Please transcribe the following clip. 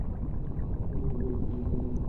এর পূর্বে তিনি এ বিষয়ে কিছু জানতেনও না।